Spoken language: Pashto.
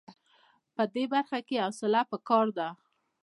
په دې برخه کې حوصله په کار ده.